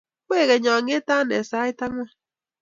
kwekeny angete anee sait angwan